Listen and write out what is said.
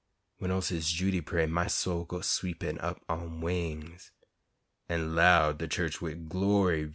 When ol' Sis' Judy pray, My soul go sweepin' up on wings, An' loud de chu'ch wid "Glory!"